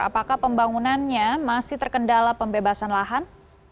apakah pembangunannya masih terkendala pembebasan lahan